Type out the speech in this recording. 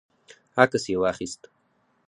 عکس یې واخیست.